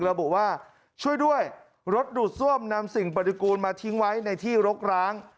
ระบุว่าช่วยด้วยรถดูดซ่วมนำสิ่งปฏิกูลมาทิ้งไว้ในที่รกร้าง